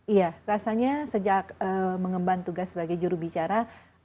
iya rasanya sejak mengemban tugas sebagai jurubicara